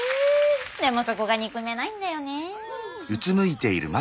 でもそこが憎めないんだよねぇ。